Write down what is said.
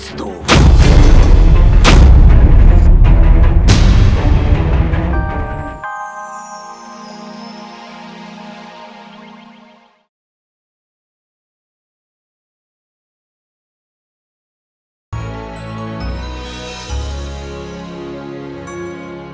keturban prabu niskanawastu